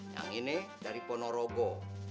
yang ini dari ponorogo